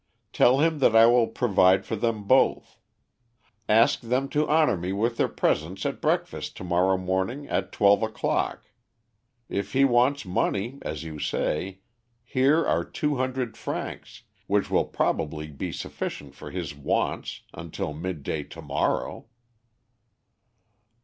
Tell him that I will provide for them both. Ask them to honour me with their presence at breakfast to morrow morning at twelve o'clock. If he wants money, as you say, here are two hundred francs, which will perhaps be sufficient for his wants until midday to morrow."